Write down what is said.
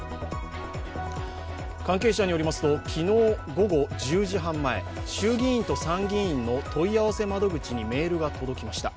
関係者によりますと昨日午後１０時半前、衆議院と参議院の問い合わせ窓口にメールが届きました。